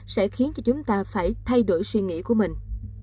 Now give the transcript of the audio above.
sẽ khiến cho chúng ta phải thay đổi suy nghĩ của mình